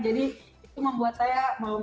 jadi itu membuat saya